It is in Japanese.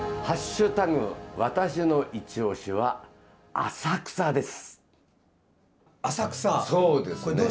わたしのいちオシ」は浅草です！